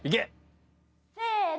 せの！